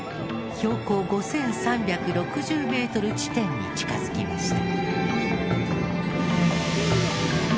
標高５３６０メートル地点に近づきました。